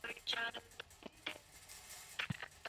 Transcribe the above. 东亚东方虾蛄为虾蛄科东方虾蛄属下的一个种。